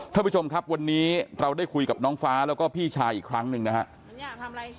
ท่านผู้ชมครับวันนี้เราได้คุยกับน้องฟ้าแล้วก็พี่ชายอีกครั้งหนึ่งนะครับ